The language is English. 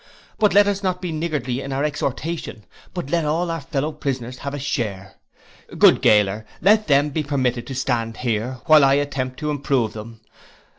But let us not be niggardly in our exhortation, but let all our fellow prisoners have a share: good gaoler let them be permitted to stand here, while I attempt to improve them.